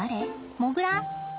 モグラ？